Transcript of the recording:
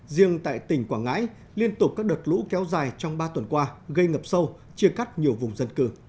riêng tại tỉnh quảng ngãi liên tục các đợt lũ kéo dài trong ba tuần qua gây ngập sâu chia cắt nhiều vùng dân cư